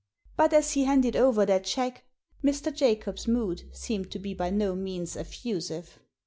But as he handed over that cheque Mr. Jacob's mood seemed to be by no means effusive.